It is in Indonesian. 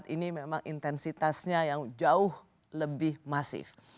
dua ribu dua puluh empat ini memang intensitasnya yang jauh lebih masif